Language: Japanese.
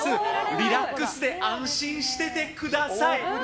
リラックスして安心しててください。